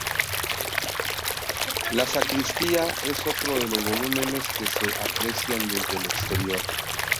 La sacristía es otro de los volúmenes que se aprecian desde el exterior.